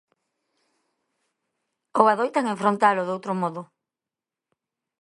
Ou adoitan enfrontalo doutro modo?